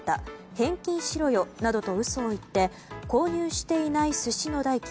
返金しろよなどと嘘を言って購入していない寿司の代金